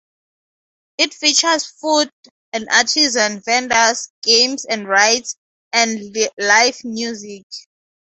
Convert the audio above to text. It features food and artisan vendors, games and rides, and live music.